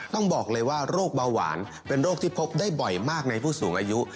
ต้องบอกเลยว่าโรคเบาหวานเป็นโรคที่พบได้บ่อยมากในผู้สูงอายุ